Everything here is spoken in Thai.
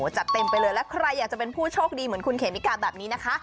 จัดเต็มไปเลยและใครอยากจะเป็นผู้โชคดีเหมือนคุณเขมิกาแบบนี้นะคะ